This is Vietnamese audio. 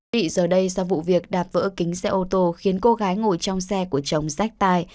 bị giờ đây do vụ việc đạp vỡ kính xe ô tô khiến cô gái ngồi trong xe của chồng rách tai